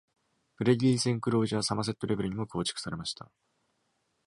プレリリースエンクロージャあサマセットレベルにも構築されました。